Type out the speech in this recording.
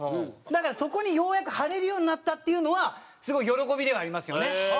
だからそこにようやく貼れるようになったっていうのはすごい喜びではありますよね。